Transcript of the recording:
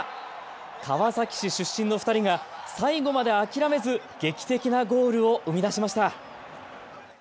川崎市出身の２人が最後まで諦めず劇的なゴールを生み出しました。